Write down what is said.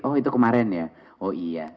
oh itu kemarin ya oh iya